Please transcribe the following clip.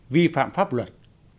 vi phạm pháp luật